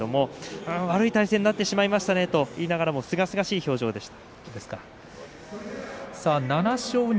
悪い体勢になってしまいましたねと言いながらもすがすがしい表情でした。